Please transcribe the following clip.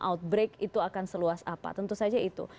outbreak itu akan seluas apa tentu saja itu